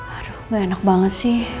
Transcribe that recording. aduh gak enak banget sih